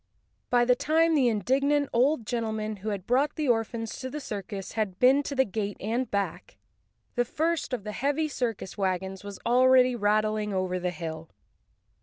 By the time the indignant old gentleman who had brought the orphans to the circus had been to the gate and back, the first of the heavy circus wagons was already rattling over the hill.